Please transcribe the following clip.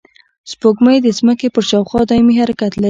سپوږمۍ د ځمکې پر شاوخوا دایمي حرکت لري